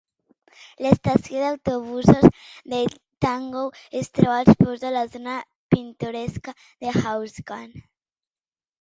L'estació d'autobusos de Tangkou es troba als peus de la zona pintoresca de Huangshan.